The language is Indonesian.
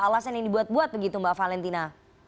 alasan yang dibuat buat begitu mbak valentina